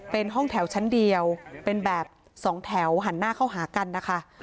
เป็นห้องแถวชั้นเดียวเป็นแบบสองแถวหันหน้าเข้าหากันนะคะ